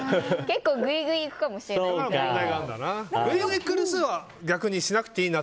結構、ぐいぐいいくかもしれない。